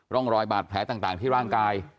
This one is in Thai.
ร่องรอยบาดแผลต่างที่ร่างกาย